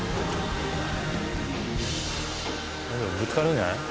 ぶつかるんじゃない？